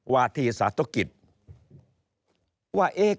ว่าที่สาธุกิจว่าเอ๊ะ